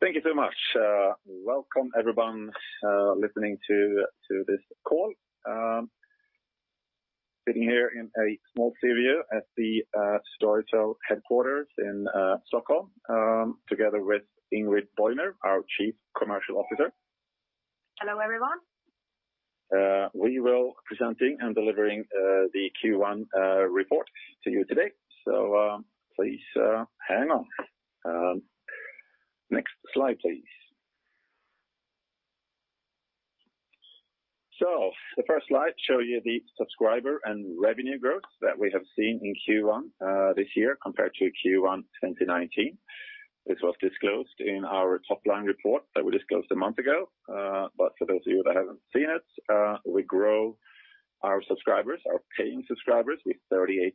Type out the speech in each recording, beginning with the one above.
Thank you so much. Welcome everyone listening to this call. Sitting here in a small studio at the Storytel headquarters in Stockholm, together with Ingrid Bojner, our Chief Commercial Officer. Hello, everyone. We will be presenting and delivering the Q1 report to you today. Please hang on. Next slide, please. The first slide shows you the subscriber and revenue growth that we have seen in Q1 this year compared to Q1 2019. This was disclosed in our top-line report that we disclosed a month ago. For those of you that haven't seen it, we grew our paying subscribers with 38%,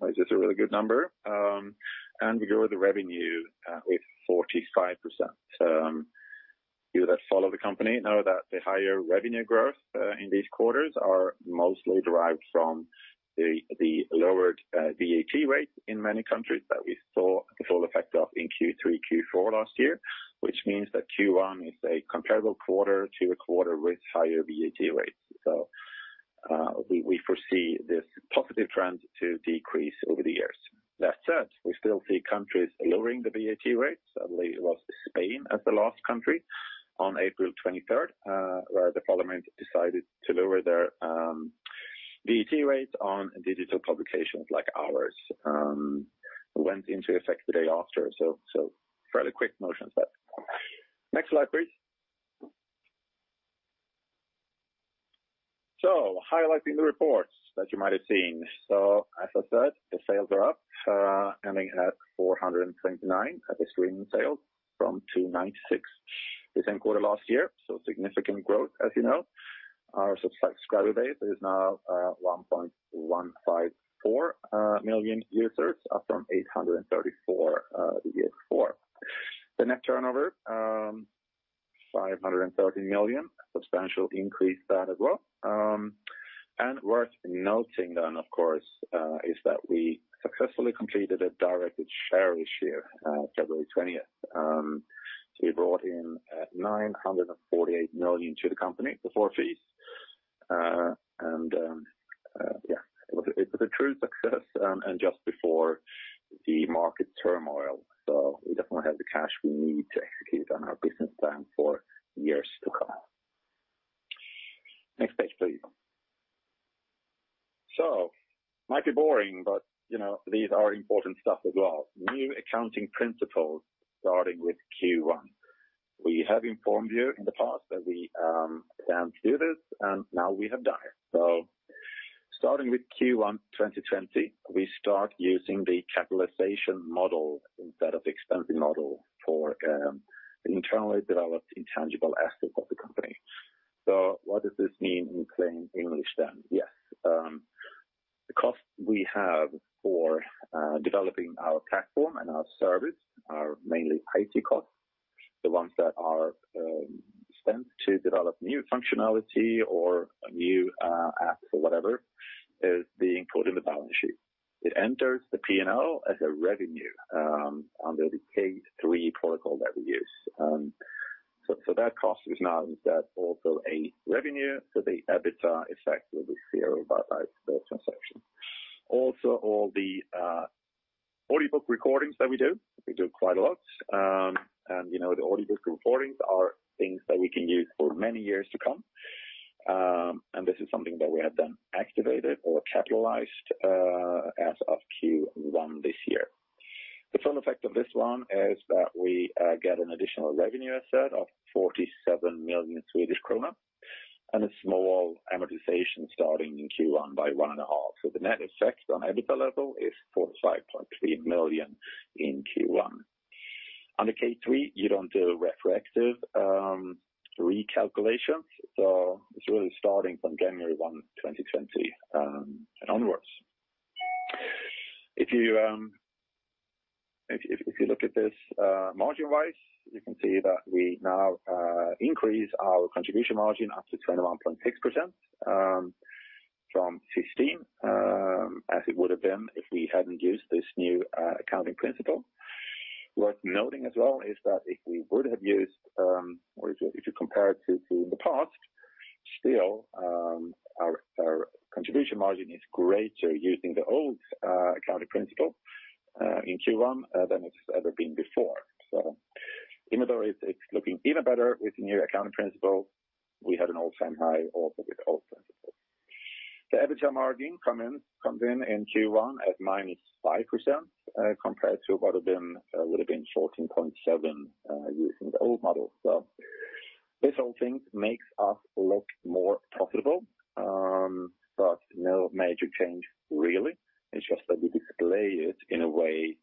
which is a really good number. We grew the revenue with 45%. You that follow the company know that the higher revenue growth in these quarters are mostly derived from the lowered VAT rates in many countries that we saw the full effect of in Q3, Q4 last year, which means that Q1 is a comparable quarter to a quarter with higher VAT rates. We foresee this positive trend to decrease over the years. That said, we still see countries lowering the VAT rates. I believe it was Spain as the last country on April 23rd, where the parliament decided to lower their VAT rates on digital publications like ours. It went into effect the day after, fairly quick motions there. Next slide, please. Highlighting the reports that you might have seen. As I said, the sales are up, ending at 429 million at the streaming sales from 296 million the same quarter last year. Significant growth as you know. Our subscriber base is now 1.154 million users, up from 834 the year before. The net turnover, 530 million, substantial increase there as well. Worth noting then, of course, is that we successfully completed a directed share issue on February 20th. We brought in 948 million to the company before fees. It was a true success, and just before the market turmoil. We definitely have the cash we need to execute on our business plan for years to come. Next page, please. Might be boring, but these are important stuff as well. New accounting principles starting with Q1. We have informed you in the past that we plan to do this, and now we have done it. Starting with Q1 2020, we start using the capitalization model instead of the expensing model for the internally developed intangible assets of the company. What does this mean in plain English then? Yes. The cost we have for developing our platform and our service are mainly IT costs. The ones that are spent to develop new functionality or a new app or whatever is being put in the balance sheet. It enters the P&L as a revenue under the K3 protocol that we use. That cost is now instead also a revenue, so the EBITDA effect will be zero by that transaction. All the audiobook recordings that we do, we do quite a lot. The audiobook recordings are things that we can use for many years to come. This is something that we have then activated or capitalized as of Q1 this year. The full effect of this one is that we get an additional revenue asset of 47 million Swedish krona and a small amortization starting in Q1 by one and a half. The net effect on EBITDA level is 45.3 million in Q1. Under K3, you don't do retroactive recalculations, it's really starting from January 1, 2020, and onwards. If you look at this margin-wise, you can see that we now increase our contribution margin up to 21.6%, from 15% as it would have been if we hadn't used this new accounting principle. Worth noting as well is that if we would have used, or if you compare it to the past, still our contribution margin is greater using the old accounting principle in Q1 than it's ever been before. Even though it's looking even better with the new accounting principle, we had an all-time high also with the old principle. The EBITDA margin comes in in Q1 at -5%, compared to what would have been 14.7% using the old model. This whole thing makes us look more profitable, but no major change really. It's just that we display it in a way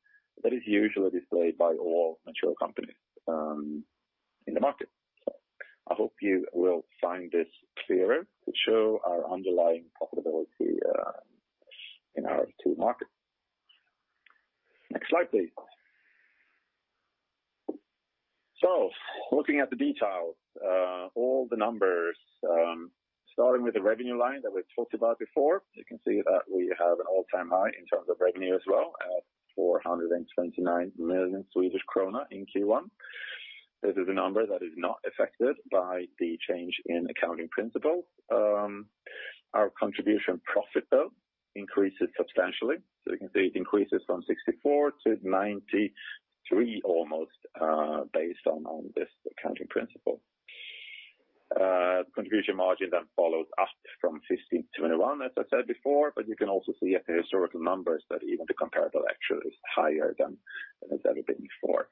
that is usually displayed by all mature companies in the market. I hope you will find this clearer to show our underlying profitability in our two markets. Next slide, please. Looking at the details, all the numbers, starting with the revenue line that we've talked about before. You can see that we have an all-time high in terms of revenue as well at 429 million Swedish krona in Q1. This is a number that is not affected by the change in accounting principles. Our contribution profit though, increases substantially. You can see it increases from 64 million-93 million almost, based on this accounting principle. Contribution margin then follows up from 15%-21%, as I said before, but you can also see at the historical numbers that even the comparable actually is higher than it's ever been before.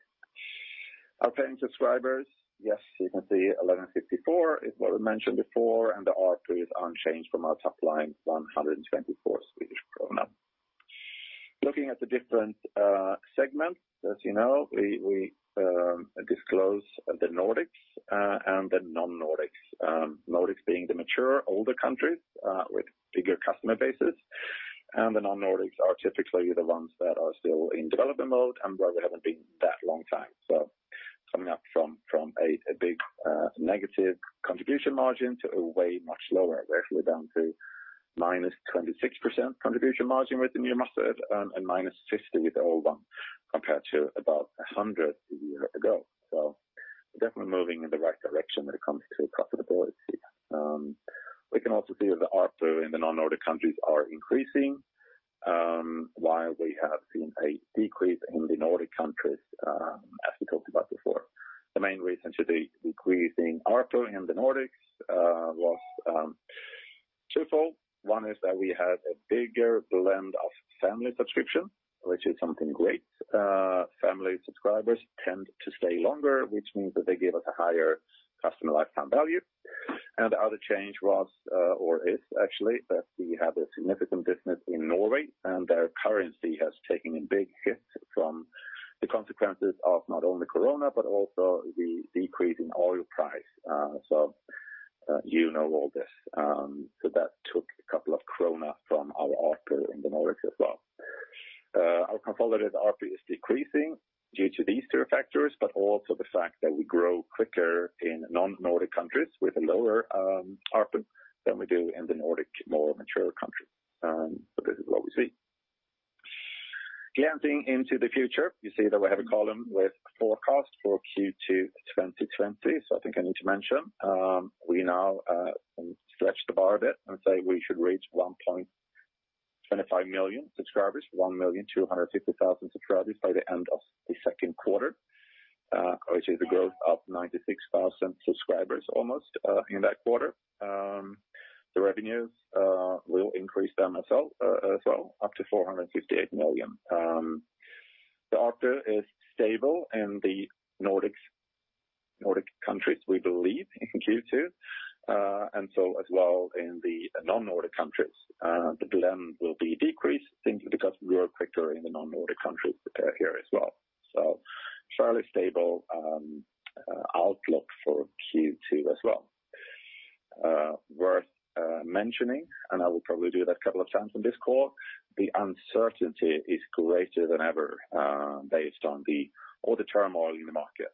Our paying subscribers, yes, you can see 1,154 is what we mentioned before, and the ARPU is unchanged from our top line, 124 Swedish krona. Looking at the different segments, as you know, we disclose the Nordics and the non-Nordics. Nordics being the mature, older countries, with bigger customer bases, and the non-Nordics are typically the ones that are still in development mode and where we haven't been that long time. Coming up from a big negative contribution margin to a way much lower, we're down to -26% contribution margin with the new method and -50% with the old one, compared to about 100% a year ago. We're definitely moving in the right direction when it comes to profitability. We can also see that the ARPU in the non-Nordic countries are increasing, while we have seen a decrease in the Nordic countries, as we talked about before. The main reason to the decrease in ARPU in the Nordics was twofold. One is that we had a bigger blend of family subscription, which is something great. Family subscribers tend to stay longer, which means that they give us a higher customer lifetime value. The other change was, or is actually, that we have a significant business in Norway, and their currency has taken a big hit from the consequences of not only COVID, but also the decrease in oil price. You know all this. That took a couple of Krona from our ARPU in the Nordics as well. Our consolidated ARPU is decreasing due to these two factors, but also the fact that we grow quicker in non-Nordic countries with a lower ARPU than we do in the Nordic, more mature countries. This is what we see. Glancing into the future, you see that we have a column with forecast for Q2 2020. I think I need to mention, we now stretch the bar a bit and say we should reach 1.25 million subscribers, 1,250,000 subscribers by the end of the second quarter, which is a growth of 96,000 subscribers almost, in that quarter. The revenues will increase themselves, as well, up to 458 million. The ARPU is stable in the Nordic countries, we believe, in Q2. As well in the non-Nordic countries, the blend will be decreased simply because we are quicker in the non-Nordic countries here as well. Fairly stable outlook for Q2 as well. Worth mentioning, and I will probably do that a couple of times on this call, the uncertainty is greater than ever, based on all the turmoil in the market.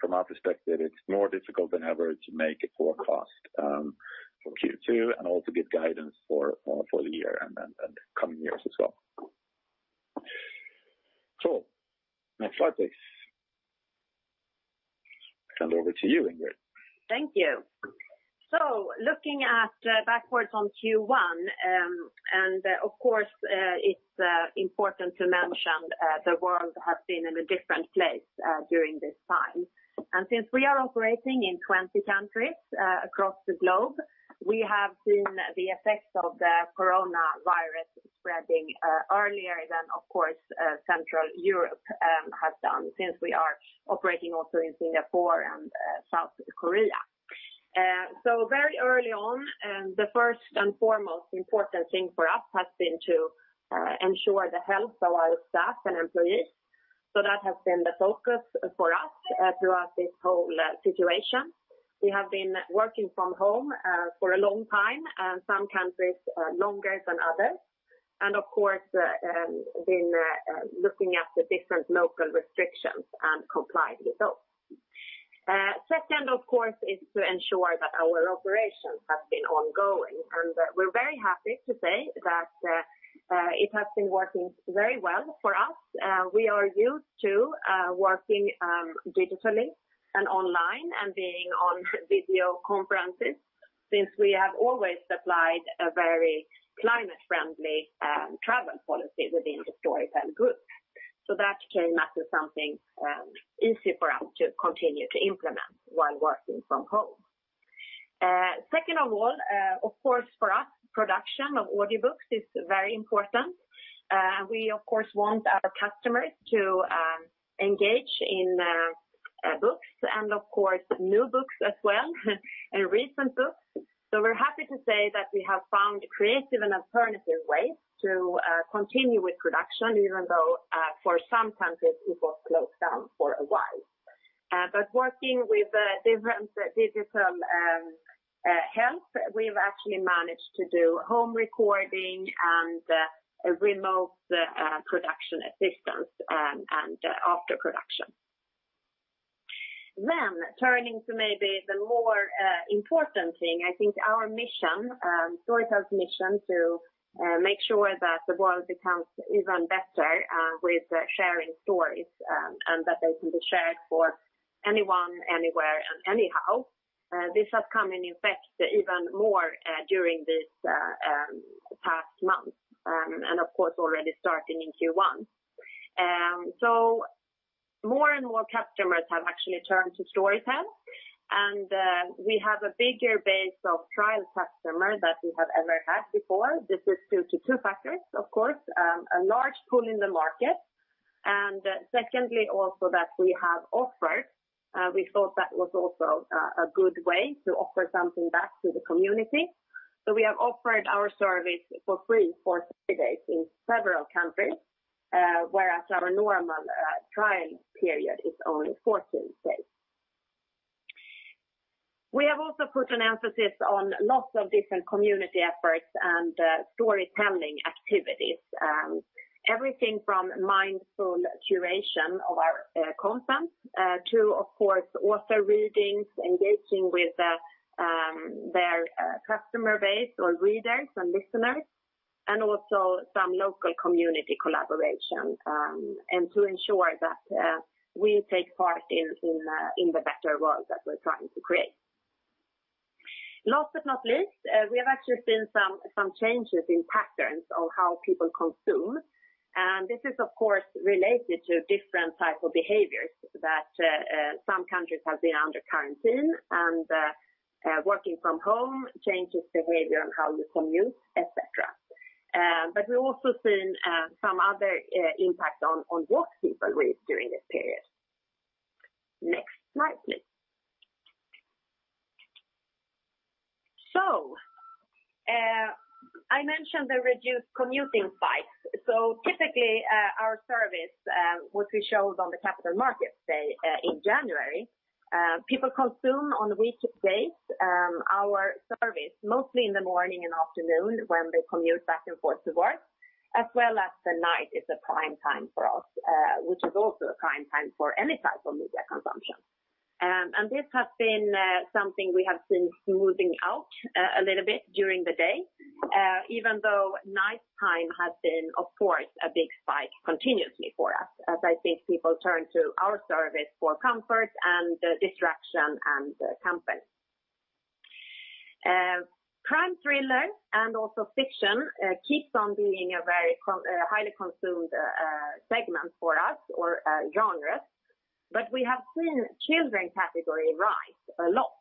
From our perspective, it is more difficult than ever to make a forecast for Q2 and also give guidance for the year and coming years as well. Next slide, please. Hand over to you, Ingrid. Thank you. Looking at backwards on Q1, and of course, it's important to mention the world has been in a different place during this time. Since we are operating in 20 countries across the globe, we have seen the effects of the coronavirus spreading earlier than, of course, Central Europe has done since we are operating also in Singapore and South Korea. Very early on, the first and foremost important thing for us has been to ensure the health of our staff and employees. That has been the focus for us throughout this whole situation. We have been working from home for a long time, and some countries longer than others, and of course, been looking at the different local restrictions and complying with those. Second, of course, is to ensure that our operations have been ongoing. We're very happy to say that it has been working very well for us. We are used to working digitally and online and being on video conferences since we have always applied a very climate friendly travel policy within the Storytel Group. That came as something easy for us to continue to implement while working from home. Second of all, of course for us, production of audiobooks is very important. We of course want our customers to engage in books and of course, new books as well and recent books. We're happy to say that we have found creative and alternative ways to continue with production even though for some countries it was closed down for a while. Working with different digital tools, we've actually managed to do home recording and remote production assistance and after production. Turning to maybe the more important thing, I think our mission, Storytel's mission to make sure that the world becomes even better with sharing stories, and that they can be shared for anyone, anywhere, and anyhow. This has come in effect even more during this past month, and of course, already starting in Q1. More and more customers have actually turned to Storytel, and we have a bigger base of trial customers that we have ever had before. This is due to two factors, of course, a large pull in the market, and secondly also, we thought that was also a good way to offer something back to the community. We have offered our service for free for 30 days in several countries, whereas our normal trial period is only 14 days. We have also put an emphasis on lots of different community efforts and storytelling activities. Everything from mindful curation of our content, to of course, author readings, engaging with their customer base or readers and listeners, and also some local community collaboration. To ensure that we take part in the better world that we're trying to create. Last but not least, we have actually seen some changes in patterns of how people consume. This is of course related to different type of behaviors that some countries have been under quarantine and working from home changes behavior on how you commute, et cetera. We've also seen some other impact on what people read during this period. Next slide, please. I mentioned the reduced commuting spikes. Typically, our service, which we showed on the Capital Markets Day in January, people consume on weekdays our service mostly in the morning and afternoon when they commute back and forth to work, as well as the night is a prime time for us, which is also a prime time for any type of media consumption. This has been something we have seen smoothing out a little bit during the day. Even though nighttime has been, of course, a big spike continuously for us, as I think people turn to our service for comfort and distraction and company. Crime thriller and also fiction keeps on being a very highly consumed segment for us, or genres. We have seen children category rise a lot.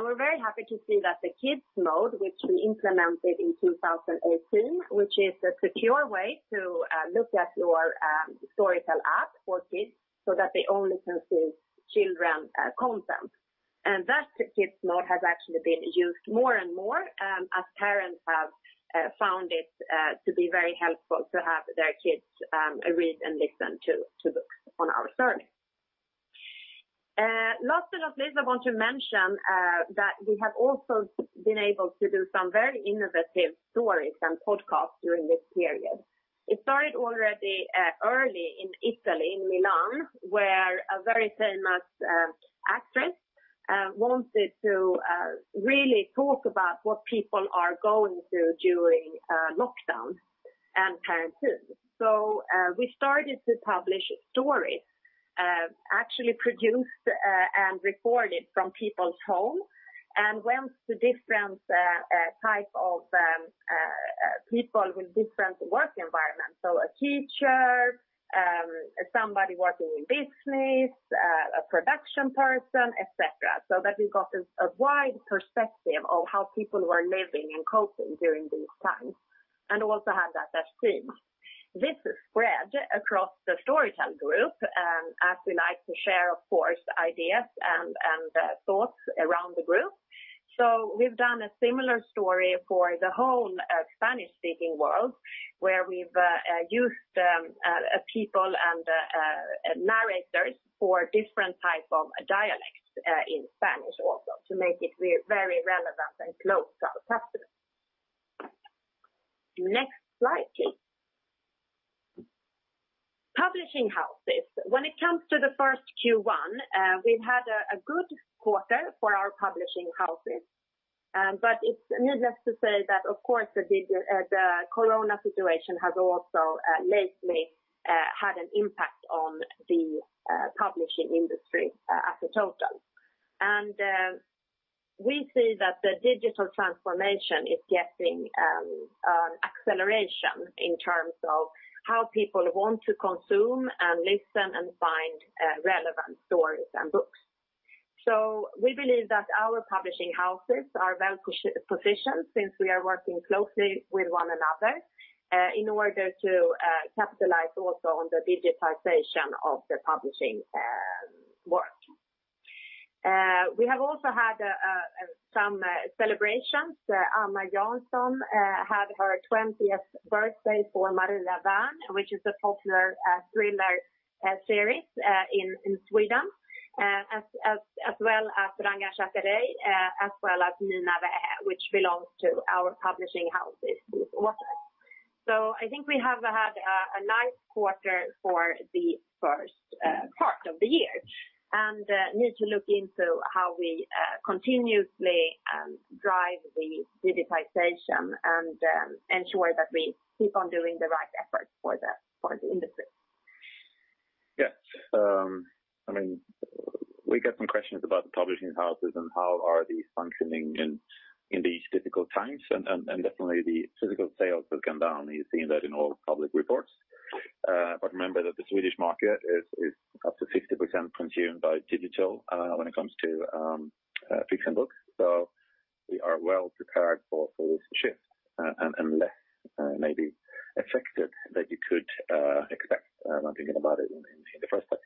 We're very happy to see that the Kids Mode, which we implemented in 2018, which is a secure way to look at your Storytel app for kids, so that they only can see children content. That Kids Mode has actually been used more and more, as parents have found it to be very helpful to have their kids read and listen to books on our service. Last but not least, I want to mention that we have also been able to do some very innovative stories and podcasts during this period. It started already early in Italy, in Milan, where a very famous actress wanted to really talk about what people are going through during lockdown and quarantine. We started to publish stories actually produced and recorded from people's home, and went to different type of people with different work environments. A teacher, somebody working in business, a production person, et cetera. That we got a wide perspective of how people were living and coping during these times, and also had that theme. This spread across the Storytel Group, as we like to share, of course, ideas and thoughts around the group. We've done a similar story for the whole Spanish-speaking world, where we've used people and narrators for different type of dialects in Spanish also to make it very relevant and close to our customers. Next slide, please. Publishing houses. When it comes to the first Q1, we've had a good quarter for our publishing houses. It's needless to say that of course the COVID situation has also lately had an impact on the publishing industry as a total. We see that the digital transformation is getting an acceleration in terms of how people want to consume and listen and find relevant stories and books. We believe that our publishing houses are well-positioned since we are working closely with one another in order to capitalize also on the digitization of the publishing work. We have also had some celebrations. Anna Jansson had her 20th birthday for "Maria Wern," which is a popular thriller series in Sweden. As well as Ranga Chakrey, as well as Nina Wähä, which belongs to our publishing houses also. I think we have had a nice quarter for the first part of the year, and need to look into how we continuously drive the digitization and ensure that we keep on doing the right efforts for the industry. Yes. We got some questions about the publishing houses and how are they functioning in these difficult times, definitely the physical sales have come down. You've seen that in all public reports. Remember that the Swedish market is up to 50% consumed by digital when it comes to fiction books. We are well prepared for this shift and less maybe affected that you could expect when thinking about it in the first place.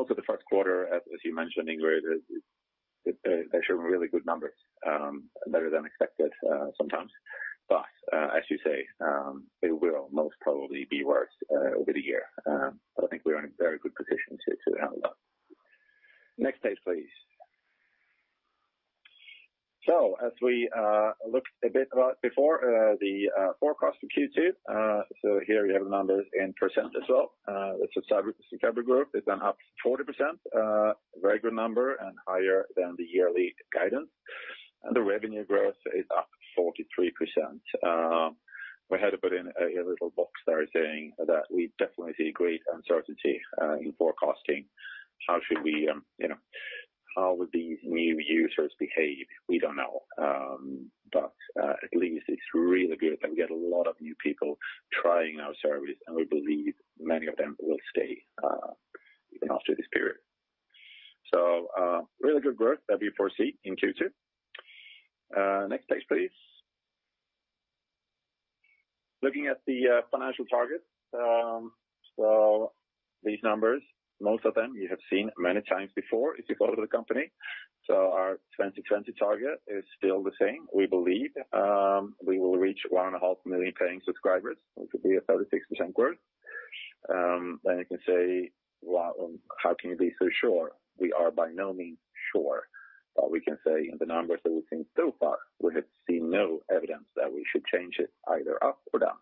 Also the first quarter, as you mentioned, Ingrid, they show really good numbers, better than expected sometimes. As you say, it will most probably be worse over the year. I think we are in a very good position to handle that. Next page, please. As we looked a bit about before, the forecast for Q2. Here we have the numbers in percent as well. The subscriber group is up 40%, a very good number and higher than the yearly guidance. The revenue growth is up 43%. We had to put in a little box there saying that we definitely see great uncertainty in forecasting. How will these new users behave? We don't know. At least it's really good that we get a lot of new people trying our service, and we believe many of them will stay even after this period. Really good growth that we foresee in Q2. Next page, please. Looking at the financial targets. These numbers, most of them you have seen many times before if you follow the company. Our 2020 target is still the same. We believe we will reach 1.5 million paying subscribers, which would be a 36% growth. You can say, "Well, how can you be so sure?" We are by no means sure, but we can say in the numbers that we've seen so far, we have seen no evidence that we should change it either up or down.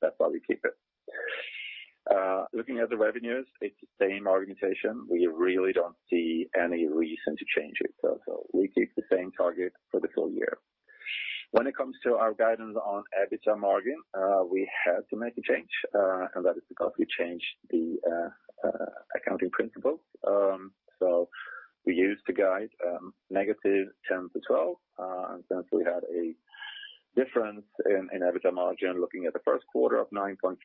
That's why we keep it. Looking at the revenues, it's the same argumentation. We really don't see any reason to change it. We keep the same target for the full year. When it comes to our guidance on EBITDA margin, we had to make a change, and that is because we changed the accounting principles. We used to guide -10% to -12%, and since we had a difference in EBITDA margin looking at the first quarter of 9.3%,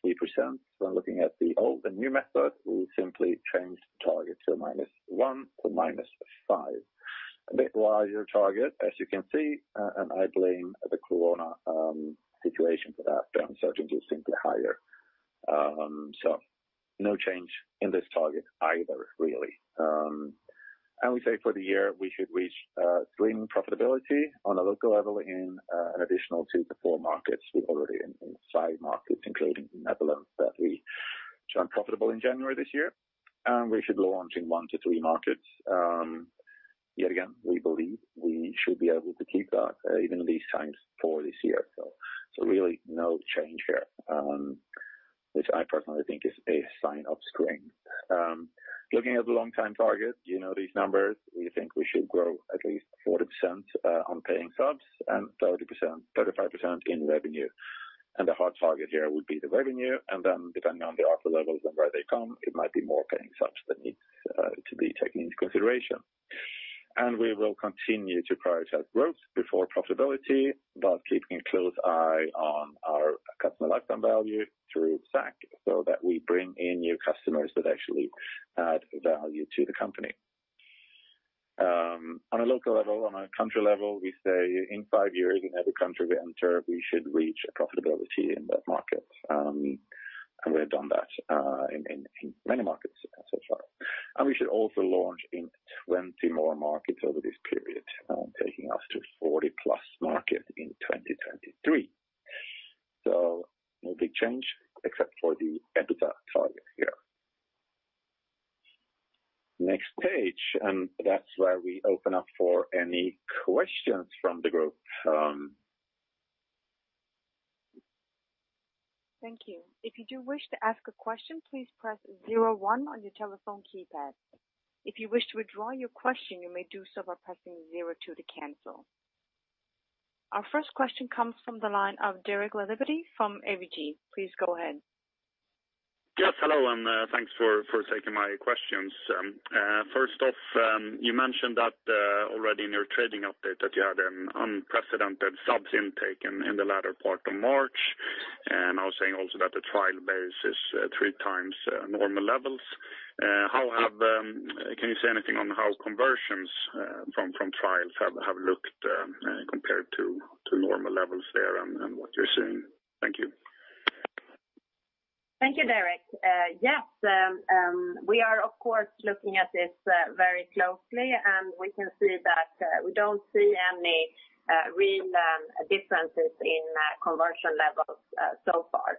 when looking at the old and new method, we simply changed the target to -1% to -5%. A bit larger target, as you can see, and I blame the Corona situation for that. Uncertainty is simply higher. No change in this target either, really. We say for the year, we should reach slim profitability on a local level in an additional two to four markets. We already in five markets, including the Netherlands, that we turned profitable in January this year, and we should launch in one to three markets. Yet again, we believe we should be able to keep that even in these times for this year. Really no change here, which I personally think is a sign of strength. Looking at the long-time target, you know these numbers. We think we should grow at least 40% on paying subs and 35% in revenue. The hard target here would be the revenue, then depending on the ARPU levels and where they come, it might be more paying subs that need to be taken into consideration. We will continue to prioritize growth before profitability, but keeping a close eye on our customer lifetime value through SAC, so that we bring in new customers that actually add value to the company. On a local level, on a country level, we say in five years, in every country we enter, we should reach profitability in that market. We have done that in many markets so far. We should also launch in 20 more markets over this period, taking us to 40+ markets in 2023. No big change except for the EBITDA target here. Next page. That's where we open up for any questions from the group. Thank you. If you do wish to ask a question, please press zero one on your telephone keypad. If you wish to withdraw your question, you may do so by pressing zero two to cancel. Our first question comes from the line of Derek Laliberté from ABG. Please go ahead. Yes, hello, and thanks for taking my questions. First off, you mentioned that already in your trading update that you had an unprecedented subs intake in the latter part of March, and now saying also that the trial base is three times normal levels. Can you say anything on how conversions from trials have looked compared to normal levels there and what you're seeing? Thank you. Thank you, Derek. Yes, we are of course, looking at this very closely. We can see that we don't see any real differences in conversion levels so far.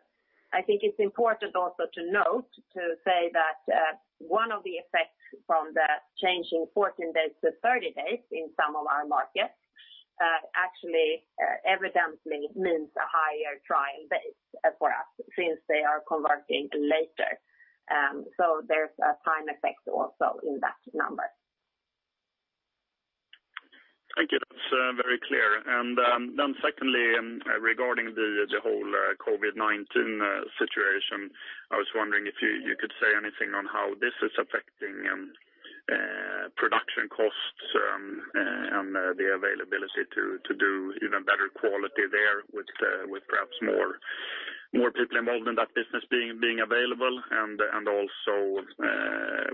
I think it's important also to note, to say that one of the effects from the change in 14 days to 30 days in some of our markets actually evidently means a higher trial base for us, since they are converting later. There's a time effect also in that number. Thank you. That's very clear. Then secondly, regarding the whole COVID-19 situation, I was wondering if you could say anything on how this is affecting production costs and the availability to do even better quality there with perhaps more people involved in that business being available, and also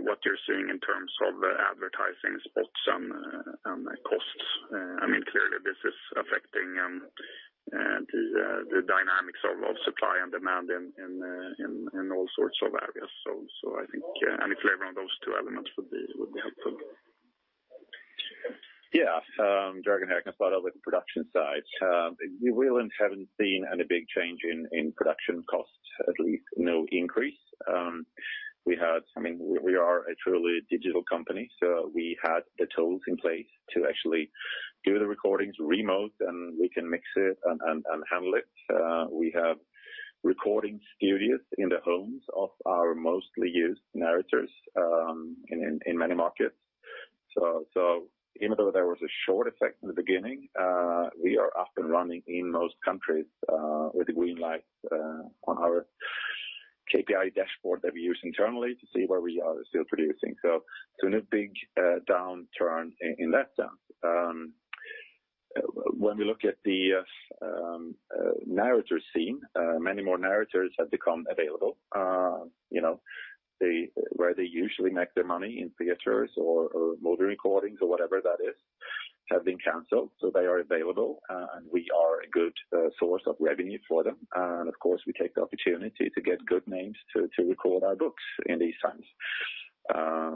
what you're seeing in terms of advertising spots and costs. Clearly this is affecting the dynamics of supply and demand in all sorts of areas. I think any flavor on those two elements would be helpful. Yeah. Johan Ståhle with the production side. We really haven't seen any big change in production costs, at least no increase. We are a truly digital company, so we had the tools in place to actually do the recordings remote, and we can mix it and handle it. We have recording studios in the homes of our mostly used narrators in many markets. Even though there was a short effect in the beginning, we are up and running in most countries, with a green light on our KPI dashboard that we use internally to see where we are still producing. There's no big downturn in that sense. When we look at the narrator scene, many more narrators have become available. Where they usually make their money, in theaters or movie recordings or whatever that is, have been canceled, so they are available, and we are a good source of revenue for them. Of course, we take the opportunity to get good names to record our books in these times.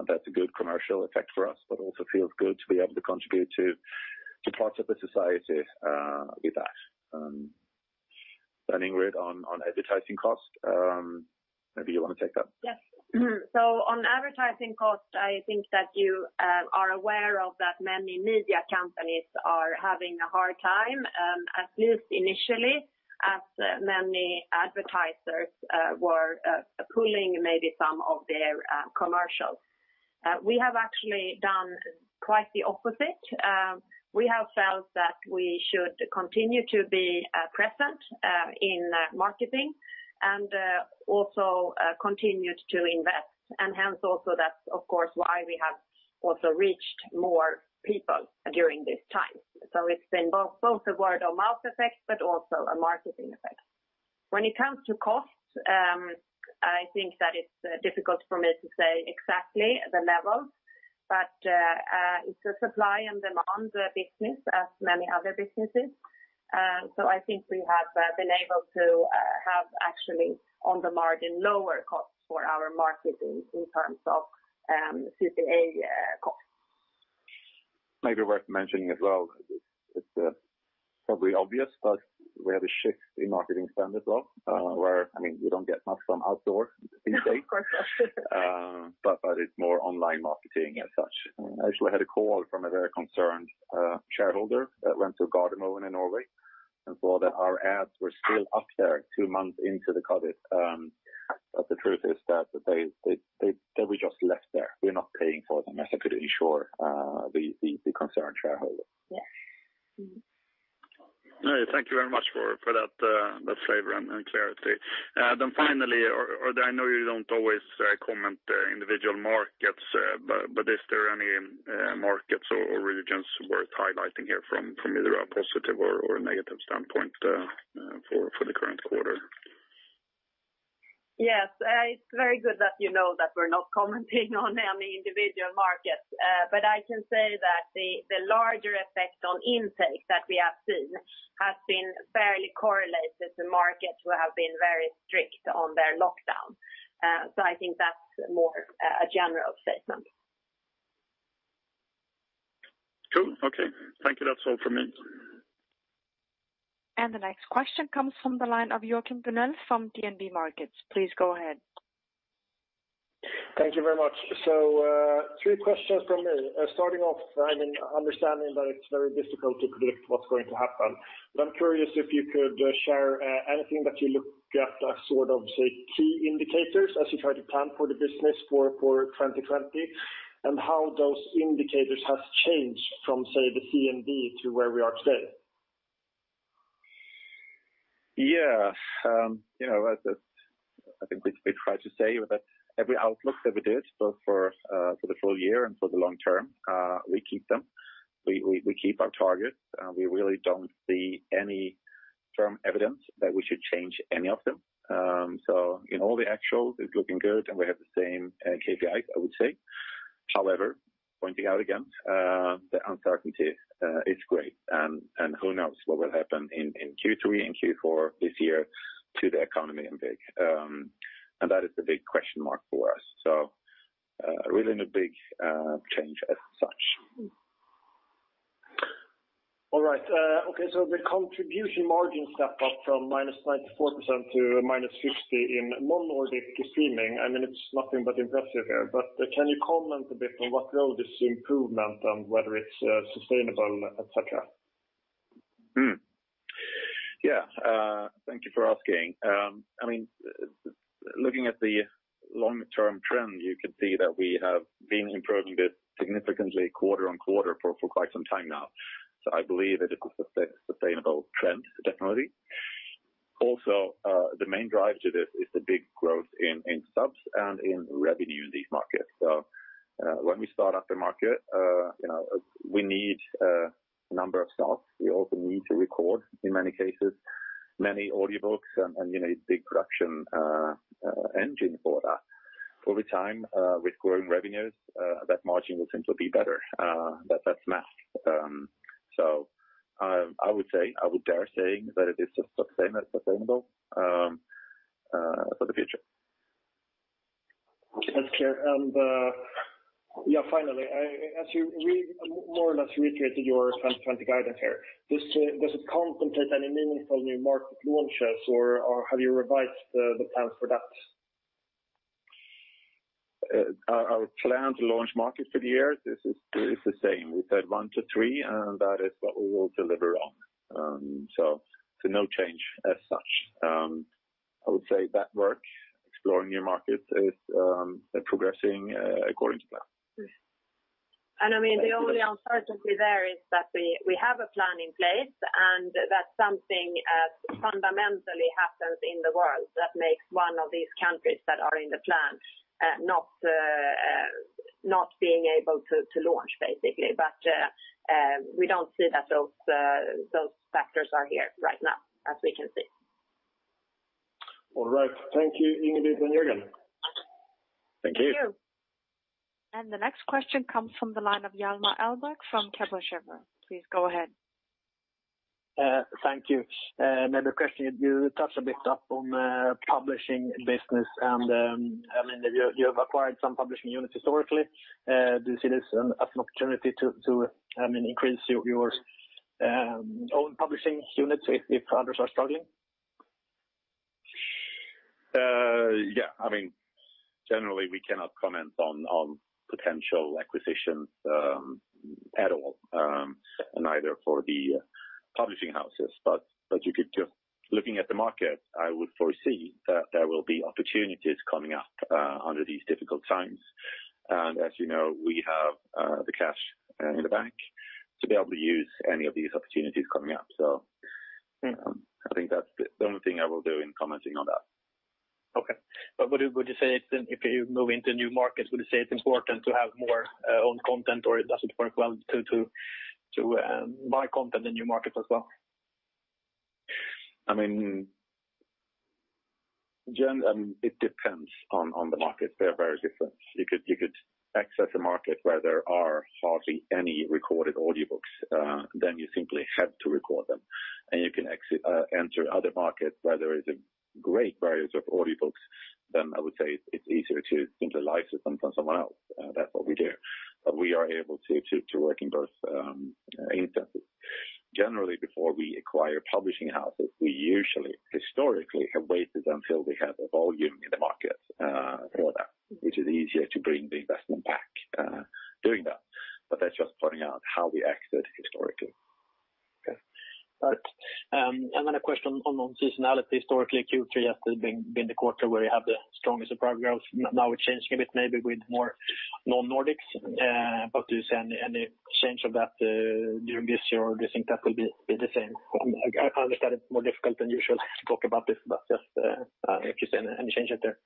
That's a good commercial effect for us, but also feels good to be able to contribute to parts of the society with that. Ingrid, on advertising cost. Maybe you want to take that? Yes. On advertising cost, I think that you are aware that many media companies are having a hard time, at least initially, as many advertisers were pulling maybe some of their commercials. We have actually done quite the opposite. We have felt that we should continue to be present in marketing and also continued to invest, and hence also that's of course why we have also reached more people during this time. It's been both a word-of-mouth effect, but also a marketing effect. When it comes to costs, I think that it's difficult for me to say exactly the level, but it's a supply and demand business, as many other businesses. I think we have been able to have, actually, on the margin, lower costs for our marketing in terms of CPA costs. Maybe worth mentioning as well. It's probably obvious, but we have a shift in marketing spend as well, where we don't get much from outdoors these days. Of course. It's more online marketing and such. I actually had a call from a very concerned shareholder that went to Gardermoen in Norway and saw that our ads were still up there two months into the COVID. The truth is that they were just left there. We're not paying for them, as I could assure the concerned shareholder. Yes. Thank you very much for that flavor and clarity. Finally, I know you don't always comment individual markets, but is there any markets or regions worth highlighting here from either a positive or a negative standpoint for the current quarter? Yes. It's very good that you know that we're not commenting on any individual markets. I can say that the larger effect on intake that we have seen has been fairly correlated to markets who have been very strict on their lockdown. I think that's more a general statement. Cool. Okay. Thank you. That's all from me. The next question comes from the line of Joachim Gunell from DNB Markets. Please go ahead. Thank you very much. Three questions from me. Starting off, understanding that it's very difficult to predict what's going to happen, but I'm curious if you could share anything that you look at as sort of, say, key indicators as you try to plan for the business for 2020, and how those indicators have changed from, say, the COVID to where we are today. Yeah. I think we try to say that every outlook that we did, both for the full year and for the long term, we keep them. We keep our targets. We really don't see any firm evidence that we should change any of them. In all the actuals, it's looking good, and we have the same KPIs, I would say. However, pointing out again, the uncertainty is great, and who knows what will happen in Q3 and Q4 this year to the economy in big. That is the big question mark for us. Really no big change as such. All right. Okay, so the contribution margin step up from -94% to -50% in non-Nordic streaming, it's nothing but impressive here. Can you comment a bit on what drove this improvement and whether it's sustainable, et cetera? Hmm. Yeah. Thank you for asking. Looking at the long-term trend, you can see that we have been improving it significantly quarter-on-quarter for quite some time now. I believe that it's a sustainable trend, definitely. Also, the main drive to this is the big growth in subs and in revenue in these markets. When we start at the market, we need a number of stocks. We also need to record, in many cases, many audiobooks and you need a big production engine for that. Over time, with growing revenues, that margin will simply be better. That's math. I would dare saying that it is sustainable for the future. That's clear. Finally, as you more or less reiterated your 2020 guidance here, does it contemplate any meaningful new market launches or have you revised the plans for that? Our plan to launch markets for the year is the same. We said one to three. That is what we will deliver on. No change as such. I would say that work, exploring new markets, is progressing according to plan. The only uncertainty there is that we have a plan in place and that something fundamentally happens in the world that makes one of these countries that are in the plan not being able to launch, basically. We don't see that those factors are here right now, as we can see. All right. Thank you, Ingrid and Jörgen. Thank you. Thank you. The next question comes from the line of Hjalmar Ahlberg from Kepler Cheuvreux. Please go ahead. Thank you. Another question, you touched a bit up on publishing business, and you have acquired some publishing units historically. Do you see this as an opportunity to increase your own publishing units if others are struggling? Generally we cannot comment on potential acquisitions at all, and neither for the publishing houses. Looking at the market, I would foresee that there will be opportunities coming up under these difficult times. As you know, we have the cash in the bank to be able to use any of these opportunities coming up. I think that's the only thing I will do in commenting on that. Okay. Would you say if you move into new markets, would you say it's important to have more own content, or does it work well to buy content in new markets as well? It depends on the markets. They're very different. You could access a market where there are hardly any recorded audiobooks, then you simply have to record them, and you can enter other markets where there is a great variety of audiobooks, then I would say it's easier to simply license them from someone else. That's what we do. We are able to work in both instances. Generally, before we acquire publishing houses, we usually, historically, have waited until we have a volume in the market for that, which is easier to bring the investment back doing that. That's just pointing out how we acted historically. Okay. Then a question on seasonality. Historically, Q3 has been the quarter where you have the strongest progress. Now it's changing a bit, maybe with more non-Nordics. Do you see any change of that during this year, or do you think that will be the same? I understand it's more difficult than usual to talk about this, but just if you see any change out there.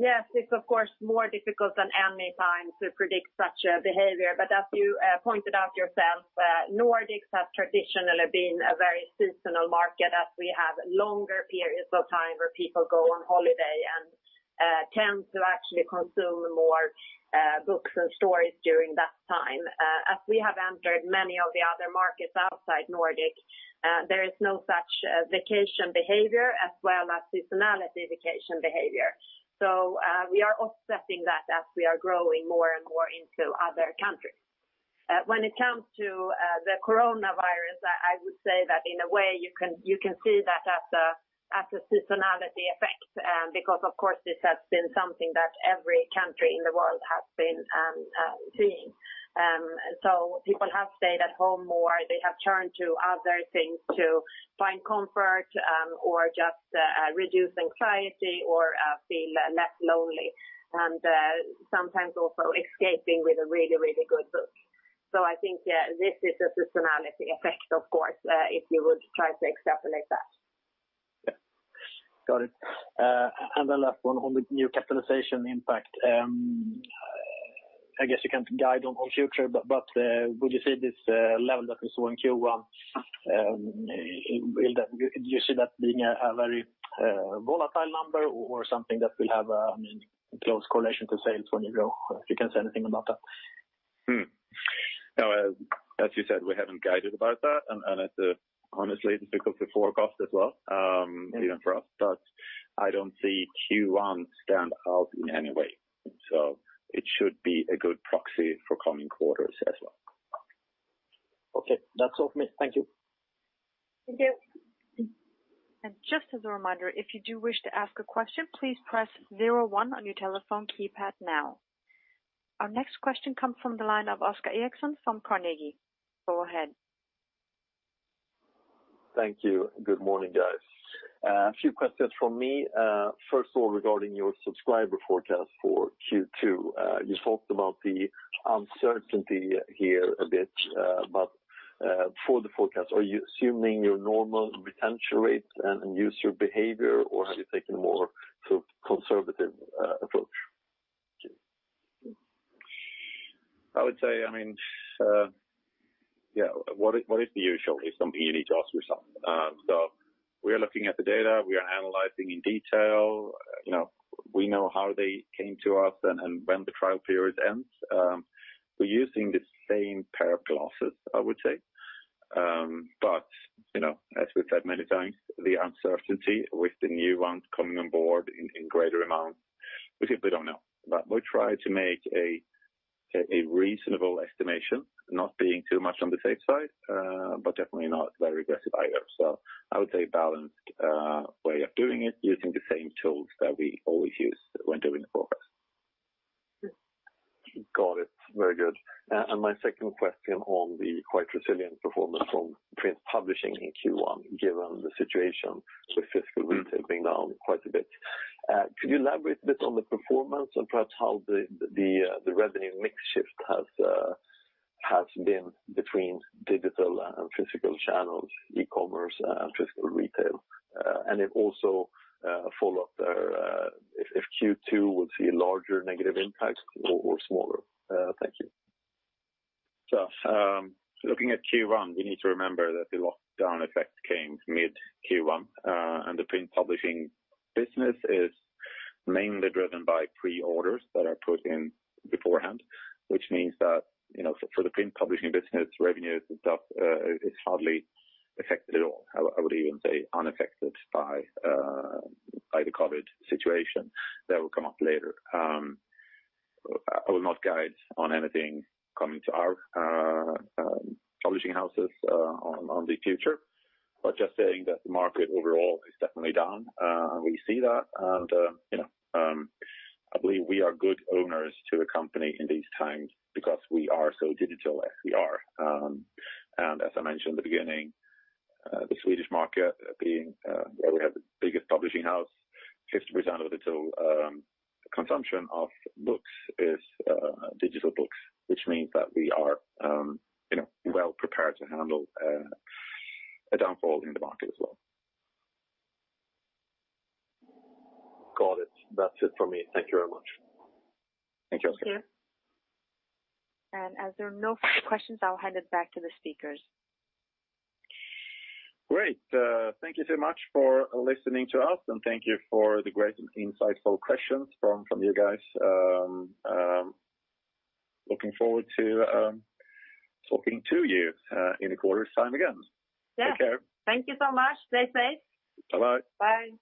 Yes, it's of course more difficult than any time to predict such a behavior. As you pointed out yourself, Nordics have traditionally been a very seasonal market as we have longer periods of time where people go on holiday and tend to actually consume more books and stories during that time. As we have entered many of the other markets outside Nordic, there is no such vacation behavior as well as seasonality vacation behavior. We are offsetting that as we are growing more and more into other countries. When it comes to the coronavirus, I would say that in a way you can see that as a seasonality effect because of course, this has been something that every country in the world has been seeing. People have stayed at home more. They have turned to other things to find comfort or just reduce anxiety or feel less lonely, and sometimes also escaping with a really, really good book. I think, this is a seasonality effect, of course, if you would try to extrapolate that. Yeah. Got it. The last one on the new capitalization impact. I guess you can't guide on future, but would you say this level that we saw in Q1, do you see that being a very volatile number or something that will have a close correlation to sales when you grow? If you can say anything about that. As you said, we haven't guided about that, and honestly, it's difficult to forecast as well, even for us. I don't see Q1 stand out in any way. It should be a good proxy for coming quarters as well. Okay. That's all from me. Thank you. Thank you. Just as a reminder, if you do wish to ask a question, please press zero one on your telephone keypad now. Our next question comes from the line of Oscar Erixon from Carnegie. Go ahead. Thank you. Good morning, guys. A few questions from me. First of all, regarding your subscriber forecast for Q2. You talked about the uncertainty here a bit, but for the forecast, are you assuming your normal retention rates and user behavior, or have you taken a more conservative approach? I would say, what is the usual is something you need to ask yourself. We are looking at the data, we are analyzing in detail. We know how they came to us and when the trial period ends. We're using the same pair of glasses, I would say. As we've said many times, the uncertainty with the new ones coming on board in greater amounts, we simply don't know. We try to make a reasonable estimation, not being too much on the safe side, but definitely not very aggressive either. I would say balanced way of doing it using the same tools that we always use when doing the forecast. Got it. Very good. My second question on the quite resilient performance from print publishing in Q1, given the situation with physical retailing down quite a bit. Could you elaborate a bit on the performance and perhaps how the revenue mix shift has been between digital and physical channels, e-commerce and physical retail? If also, a follow-up, if Q2 will see a larger negative impact or smaller? Thank you. Looking at Q1, we need to remember that the lockdown effect came mid Q1, and the print publishing business is mainly driven by pre-orders that are put in beforehand. Which means that for the print publishing business, revenue is hardly affected at all. I would even say unaffected by the COVID situation that will come up later. I will not guide on anything coming to our publishing houses on the future, but just saying that the market overall is definitely down. We see that, and I believe we are good owners to the company in these times because we are so digital as we are. As I mentioned at the beginning, the Swedish market being where we have the biggest publishing house, 50% of the total consumption of books is digital books, which means that we are well prepared to handle a downfall in the market as well. Got it. That's it from me. Thank you very much. Thank you, Oscar. As there are no further questions, I'll hand it back to the speakers. Great. Thank you so much for listening to us, and thank you for the great and insightful questions from you guys. Looking forward to talking to you in a quarter's time again. Yeah. Take care. Thank you so much. Stay safe. Bye-bye. Bye.